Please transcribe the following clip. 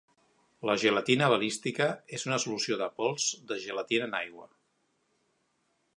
La gelatina balística és una solució de pols de gelatina en aigua.